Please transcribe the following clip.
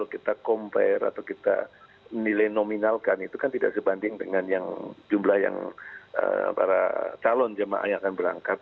kita compare atau kita nilai nominalkan itu kan tidak sebanding dengan jumlah yang para calon jemaah yang akan berangkat